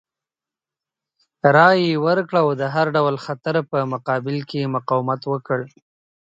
رایه یې ورکړه او د هر ډول خطر په مقابل کې یې مقاومت وکړ.